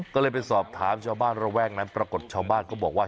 ก็เลยไปสอบถามชาวบ้านระแวกนั้นปรากฏชาวบ้านเขาบอกว่า